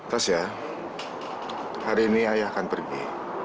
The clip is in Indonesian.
tasya hari ini ayah akan pergi